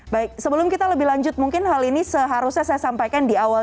baik sebelum kita lebih lanjut mungkin hal ini seharusnya saya sampaikan di awal